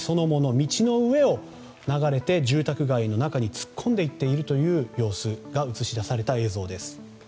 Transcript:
道の上を流れて、住宅街の中に突っ込んでいっている様子が映し出された映像です。